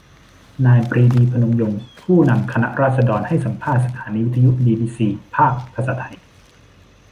นายปรีดี พนมยงค์ ผู้นำคณะราษฎรให้สัมภาษณ์สถานีวิทยุบีบีซี ภาคภาษาไทย